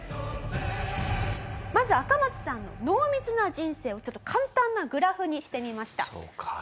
まずアカマツさんの濃密な人生をちょっと簡単なグラフにしてみました。